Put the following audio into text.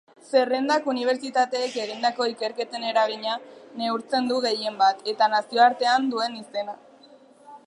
Zerrendak unibertsitateek egindako ikerketen eragina neurtzen du gehienbat, eta nazioartean duen izena.